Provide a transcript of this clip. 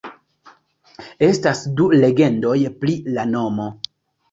Estas du legendoj pri la nomo.